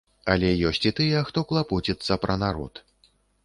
Але ёсць і тыя, хто клапоціцца пра народ.